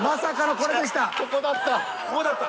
ここだった。